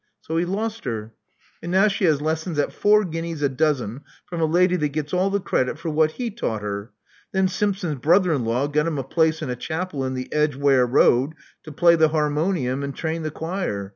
So he lost her; and now she has lessons at four guineas a dozen from a lady that gets all the credit for what he taught her. Then Simpson's brother in law got him a place in a chapel in the Edgeware Road to play the harmonium and train the choir.